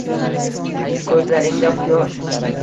Ko’zlaringda quyosh